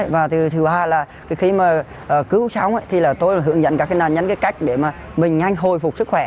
và thứ ba là khi cứu sống tôi hướng dẫn các nạn nhân cách để mình nhanh hồi phục sức khỏe